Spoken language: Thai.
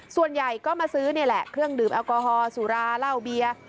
ส่วนใหญ่ก็มาซื้อนี่แหละเครื่องดื่มแอลกอฮอลสุราเหล้าเบียร์